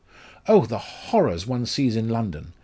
Oh! the horrors one sees in London.